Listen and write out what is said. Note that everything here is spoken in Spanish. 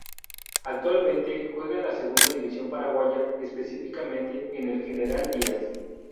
Actualmente juega en la segunda división paraguaya, específicamente en el General Díaz.